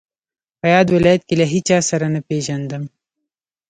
په یاد ولایت کې له هیچا سره نه پېژندم.